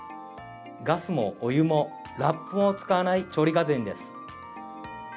ガスもお湯もラップも使わない調理家電です。